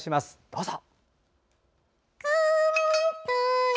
どうぞ。